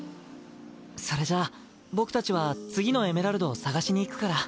それじゃあ僕たちは次のエメラルドを捜しに行くから。